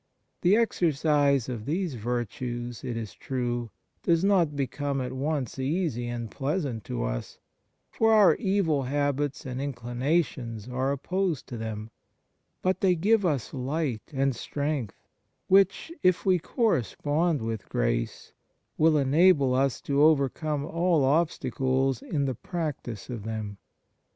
The exercise of these virtues, it is true, does not become at once easy and pleasant to us, for our evil habits and inclinations are opposed to them; but they give us light and strength, which, if we correspond with grace, will enable us to overcome all obstacles in the practice 103 THE MARVELS OF DIVINE GRACE of them.